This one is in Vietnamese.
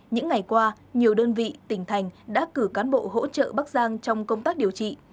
những ngày qua nhiều đơn vị tỉnh thành đã cử cán bộ hỗ trợ bắc giang trong công tác điều trị